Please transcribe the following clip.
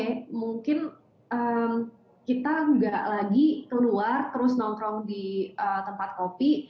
mungkin kita nggak lagi keluar terus nongkrong di tempat kopi